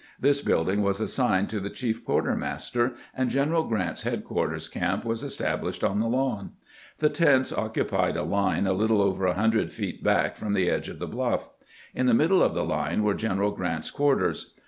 This building was assigned to the chief quartermaster, and General Grant's headquarters camp was established on the lawn. The tents occupied a line a little over a hundred feet back from the edge of the bluff. In the middle of the line were General Grant's quarters.